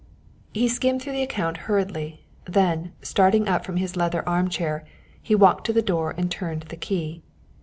He skimmed through the account hurriedly, then starting up from his leather arm chair he walked to the door and turned the key.